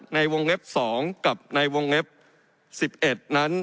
ในวงเล็บ๒กับในวงเล็บ๑๑นั้น